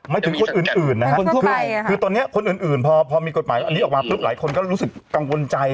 ไม่ถึงคนอื่นตอนนี้คนอื่นพอมีกฎหมายอันนี้ออกมาหลายคนก็รู้สึกกังวลใจ